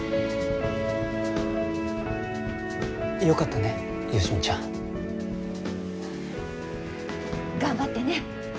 よかったね好美ちゃん。頑張ってね。